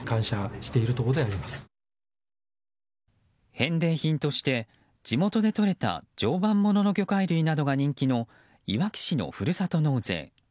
返礼品として、地元でとれた常磐ものの魚介類などが人気のいわき市のふるさと納税。